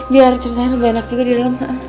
biar ceritanya lebih enak juga di dalam